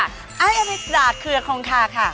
ไอ้แอฟีซดาคือฮองค่าค่ะ